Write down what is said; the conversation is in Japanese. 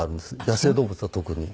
野生動物は特に。